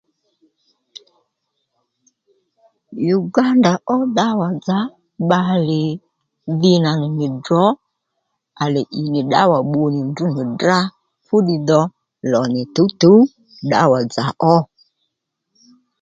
Uganda ó ddǎwà-dzà ó bbalè dhi nà nì drǒ à lè ì nì ddǎwà bbu nì ndrǔ nì drá fúddiy dho lò nì tǔwtǔw ddǎwà-dzà ó